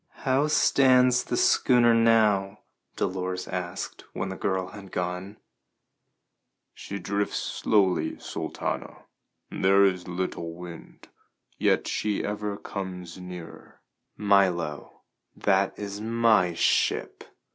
"How stands the schooner now?" Dolores asked when the girl had gone. "She drifts slowly, Sultana. There is little wind. Yet she ever comes nearer." "Milo, that is my ship!"